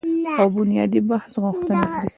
او بنیادي بحث غوښتنه لري